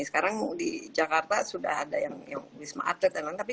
sekarang di jakarta sudah ada yang wisma atlet dan lain lain